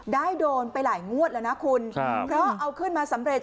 โดนไปหลายงวดแล้วนะคุณครับเพราะเอาขึ้นมาสำเร็จ